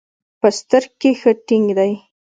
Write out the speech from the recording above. په ستر کښې ښه ټينګ دي.